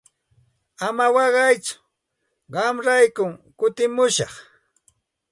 Ama waqaytsu qamraykum kutimushaq.